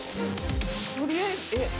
取りあえずえっ？